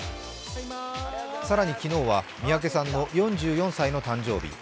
更に昨日は三宅さんの４４歳の誕生日。